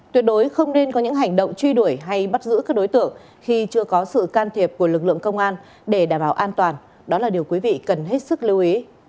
tuyệt đối không nên có những hành động truy đuổi hay bắt giữ các đối tượng khi chưa có sự can thiệp của lực lượng công an để đảm bảo an toàn đó là điều quý vị cần hết sức lưu ý